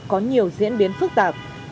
có nhiều diễn ra